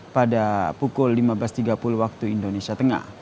pada pukul lima belas tiga puluh waktu indonesia tengah